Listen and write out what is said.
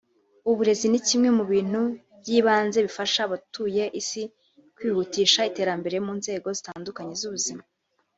uburezi ni kimwe mu bintu by’ibanze bifasha abatuye isi kwihutisha iterambere mu nzego zitandukanye z’ubuzima